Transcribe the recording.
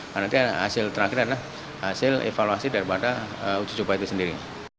karena itu hasil terakhir adalah hasil evaluasi daripada uji coba itu sendiri